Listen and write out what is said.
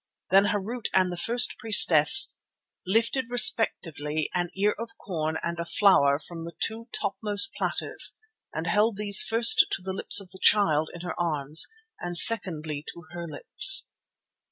Then Harût and the first priestess lifted respectively an ear of corn and a flower from the two topmost platters and held these first to the lips of the child in her arms and secondly to her lips.